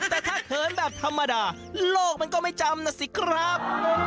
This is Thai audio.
แต่ถ้าเขินแบบธรรมดาโลกมันก็ไม่จำนะสิครับ